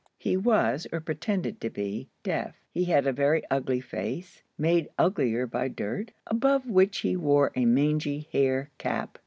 He was, or pretended to be, deaf. He had a very ugly face, made uglier by dirt, above which he wore a mangy hair cap.